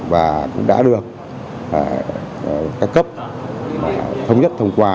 và đã được các cấp thông nhất thông qua